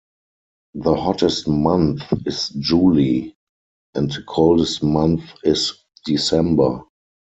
The hottest month is July and the coldest month is December.